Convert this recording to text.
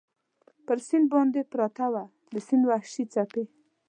پر سیند باندې پرته وه، د سیند وحشي څپې.